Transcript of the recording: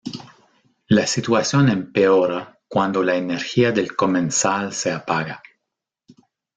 La situación empeora cuando la energía del comensal se apaga.